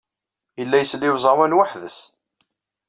Yella isell i uẓawan weḥd-s.